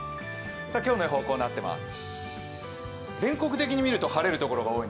今日の予報はこうなっています。